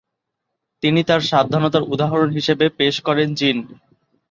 তিনি তার সাবধানতার উদাহরণ হিসেবে পেশ করেন- জিন।